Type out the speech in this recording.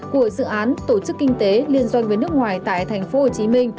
của dự án tổ chức kinh tế liên doanh với nước ngoài tại tp hcm